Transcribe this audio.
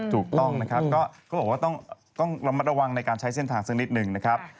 ถูกต้องนะครับก็ต้องระมัดระวังในการใช้เส้นทางซึ่งนิดหนึ่งนะครับ